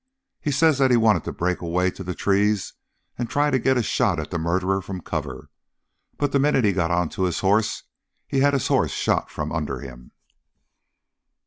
He says that he wanted to break away to the trees and try to get a shot at the murderer from cover, but the minute he got onto his hoss, he had his hoss shot from under him."